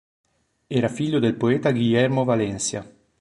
Era figlio del poeta Guillermo Valencia.